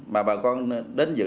mà bà con đến dự